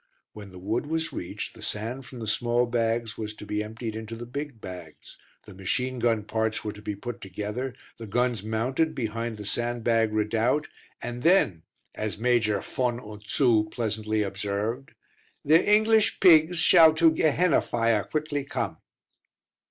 When the wood was reached the sand from the small bags was to be emptied into the big bags; the machine gun parts were to be put together, the guns mounted behind the sandbag redoubt, and then, as Major Von und Zu pleasantly observed, "the English pigs shall to gehenna fire quickly come."